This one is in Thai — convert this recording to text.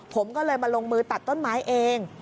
ผมก็เลยมาลงมือตัดต้นไม้เอง